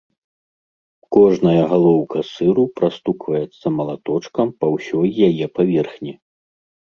Кожная галоўка сыру прастукваецца малаточкам па ўсёй яе паверхні.